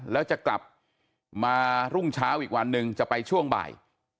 แล้วจะกลับมารุ่งเช้าอีกวันหนึ่งจะไปช่วงบ่าย